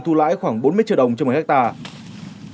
thu lãi khoảng bốn mươi triệu đồng trên một hectare